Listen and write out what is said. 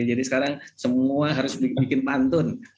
jadi sekarang semua harus bikin pantun